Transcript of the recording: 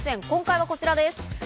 今回はこちらです。